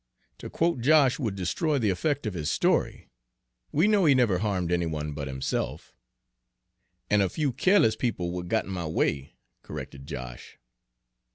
To quote Josh would destroy the effect of his story, we know he never harmed any one but himself" "An' a few keerliss people w'at got in my way," corrected Josh.